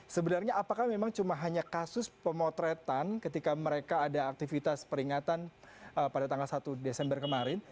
sebenarnya apakah memang cuma hanya kasus pemotretan ketika mereka ada aktivitas peringatan pada tanggal satu desember kemarin